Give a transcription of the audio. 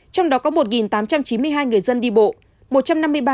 trong đó có một tám trăm chín mươi hai người dân đi bộ